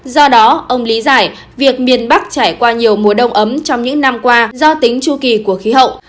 do đó ông lý giải việc miền bắc trải qua nhiều mùa đông ấm trong những năm qua do tính chu kỳ của khí hậu